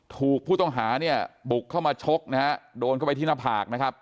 ถูกผู้ต้องหาเนี่ยบุกเข้ามาชกนะฮะโดนเข้าไปที่หน้าผากนะครับ